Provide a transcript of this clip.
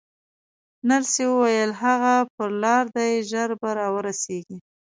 نرسې وویل: هغه پر لار دی، ژر به راورسېږي.